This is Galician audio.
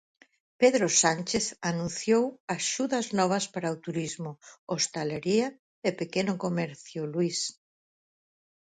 Pedro Sánchez anunciou axudas novas para o turismo, hostalería e pequeno comercio, Luís.